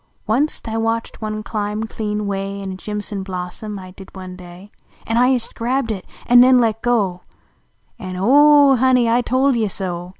Wunst I watched one climl) clean way Tn a jim son blossom, T did, one day, An I ist grabbed it an ncn let go An "Ooh ooh! Honey! I told yc so!"